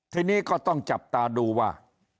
ทีนี้ก็ต้องจับตาดูว่า